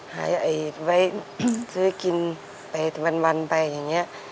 ไว้ซื้อกินไปวันไปอย่างนี้